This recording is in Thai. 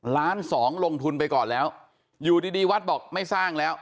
ล้านสองลงทุนไปก่อนแล้วอยู่ดีวัดบอกไม่สร้างแล้ว